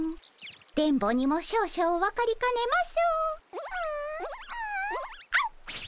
電ボにも少々分かりかねます。